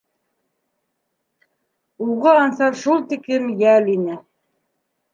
Уға Ансар шул тиклем йәл ине.